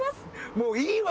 もういいわ！